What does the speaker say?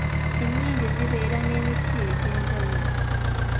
Emmindi zibeera n'emiti egy'enjawulo.